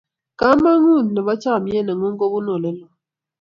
kamang'ut nebo chamiet ne ng'un kobunu ole loo